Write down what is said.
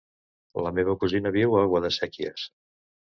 La meva cosina viu a Guadasséquies.